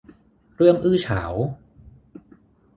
เรื่องอื้อฉาว